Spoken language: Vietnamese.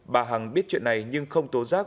bà hằng biết chuyện này nhưng không tố rác